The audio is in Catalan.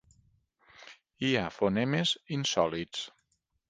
Hi ha fonemes insòlits.